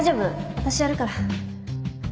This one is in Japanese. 私やるから